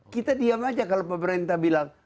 kita diam aja kalau pemerintah bilang